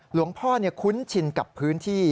หลวงพ่อคุ้นชินกับพื้นที่